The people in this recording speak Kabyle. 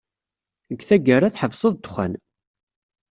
Deg tgara, tḥebseḍ ddexxan.